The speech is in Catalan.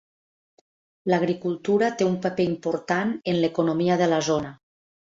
L'agricultura té un paper important en l'economia de la zona.